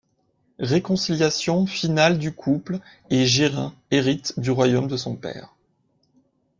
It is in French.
Réconciliation finale du couple et Geraint hérite du royaume de son père.